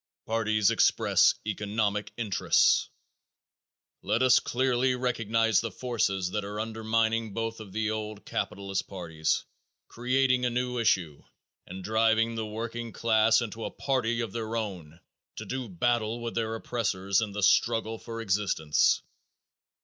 Parties Express Economic Interests. Let us clearly recognize the forces that are undermining both of the old capitalist parties, creating a new issue, and driving the working class into a party of their own to do battle with their oppressors in the struggle for existence.